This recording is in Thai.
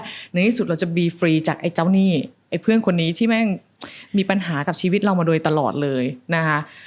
ในที่สุดเราจะบีฟรีจากไอ้เจ้าหนี้ไอ้เพื่อนคนนี้ที่แม่งมีปัญหากับชีวิตเรามาโดยตลอดเลยนะคะ